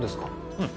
うん。